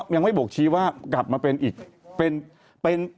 ยังไม่บกชี้ว่ากลับมาเป็นอีก